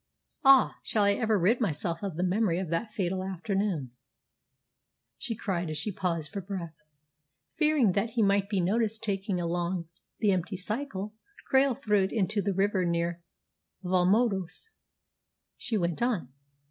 Ah, shall I ever rid myself of the memory of that fatal afternoon?" she cried as she paused for breath. "Fearing that he might be noticed taking along the empty cycle, Krail threw it into the river near Valmondois," she went on.